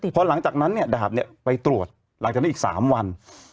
พอหลังจากนั้นเนี่ยดาบไปตรวจหลังจากนี้อีก๓วัน